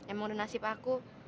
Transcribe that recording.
emang udah nasib aku